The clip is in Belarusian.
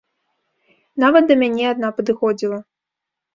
Нават да мяне адна падыходзіла.